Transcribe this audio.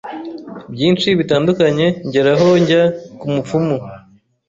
byinshi bitandukanye ngera aho njya ku mupfumu